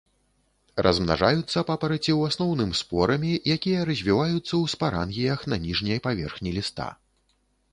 Размнажаюцца папараці ў асноўным спорамі, якія развіваюцца ў спарангіях на ніжняй паверхні ліста.